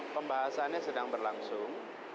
pembahasannya sedang berlangsung